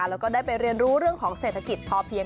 แล้วก็ได้ไปเรียนรู้เรื่องของเศรษฐกิจพอเพียง